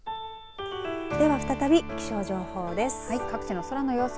では、再び気象情報です。